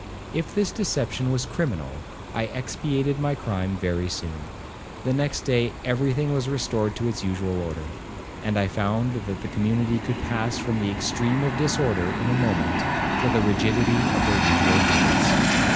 If this deception was criminal, I expiated my crime very soon. The next day every thing was restored to its usual order, and I found that the community could pass from the extreme of disorder in a moment to the rigidity of their usual habits.